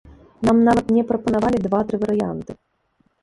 Нам нават не прапанавалі два-тры варыянты.